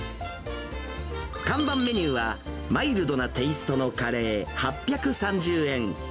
看板メニューは、マイルドなテーストのカレー８３０円。